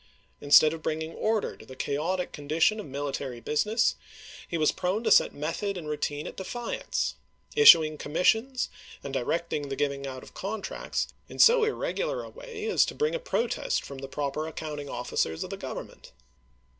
Instead of bringing order" into the chaotic condition of military business, he was prone to set method and routine at defiance, issuing commissions and directing the giving out of contracts in so irregular a way as to bring a protest from the proper accounting officers of the Grovernment.